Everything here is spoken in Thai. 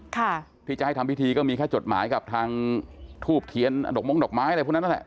ค่ะที่จะให้ทำพิธีก็มีแค่จดหมายกับทางทูบเทียนดอกม้งดอกไม้อะไรพวกนั้นนั่นแหละ